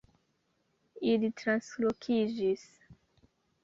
Ili translokiĝis